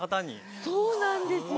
そうなんですよ！